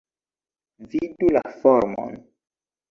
Vidu la formon.